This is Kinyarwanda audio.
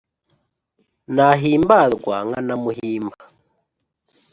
Nahimbarwa nkanamuhimba